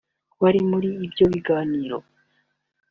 wari muri ibyo biganiro